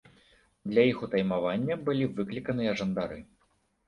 Для іх утаймавання былі выкліканыя жандары.